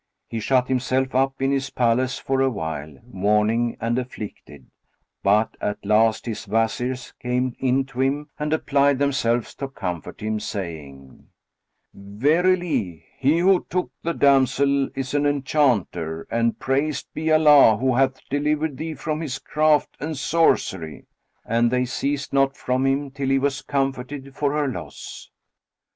He shut himself up in his palace for a while, mourning and afflicted; but at last his Wazirs came in to him and applied themselves to comfort him, saying, "Verily, he who took the damsel is an enchanter, and praised be Allah who hath delivered thee from his craft and sorcery!" And they ceased not from him, till he was comforted for her loss.